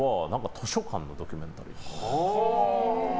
図書館のドキュメンタリーです。